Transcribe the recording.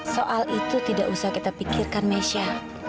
soal itu tidak usah kita pikirkan mesha